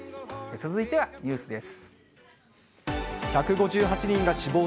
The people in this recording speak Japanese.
続いてはニュースです。